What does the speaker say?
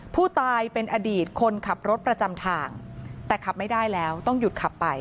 ผู้ตายเป็นอดีตคนขับรถประจำทางแต่ขับไม่ได้แล้วต้องหยุดขับไป